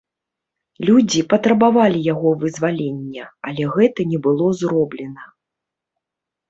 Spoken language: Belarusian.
Людзі патрабавалі яго вызвалення, але гэта не было зроблена.